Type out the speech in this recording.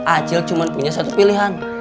acil cuma punya satu pilihan